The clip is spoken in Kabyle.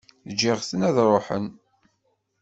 Ǧǧiɣ-ten ad ṛuḥen.